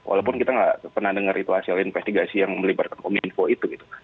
walaupun kita nggak pernah dengar itu hasil investigasi yang melibatkan kominfo itu gitu